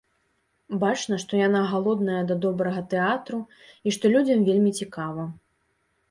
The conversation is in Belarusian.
Бачна, што яна галодная да добрага тэатру і што людзям вельмі цікава.